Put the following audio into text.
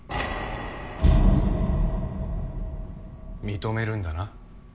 認めるんだな？